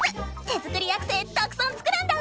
手作りアクセたくさん作るんだぁ！